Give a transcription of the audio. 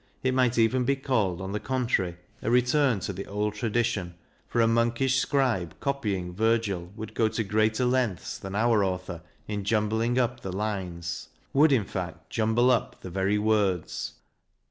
It might even be called, on the contrary, a return to the old tradition, for a monkish scribe copying Virgil would go to greater lengths than our author in jumbling up the lines would, in fact, jumble up the very words.